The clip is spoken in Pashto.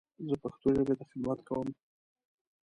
زه پښتو ژبې ته خدمت کوم.